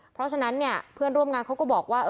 เพราะฉะนั้นเนี่ยเพื่อนร่วมงานเขาก็บอกว่า